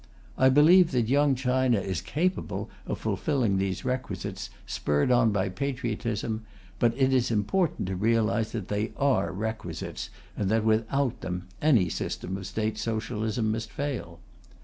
I believe that Young China is capable of fulfilling these requisites, spurred on by patriotism; but it is important to realize that they are requisites, and that, without them, any system of State Socialism must fail.